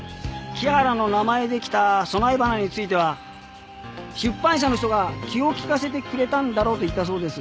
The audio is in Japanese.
木原の名前で来た供え花については出版社の人が気を利かせてくれたんだろうと言ったそうです。